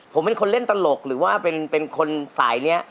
ผมเป็นคนเล่นตลกหรือว่าเป็นคนสายนี้